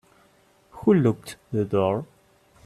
Who locked the door?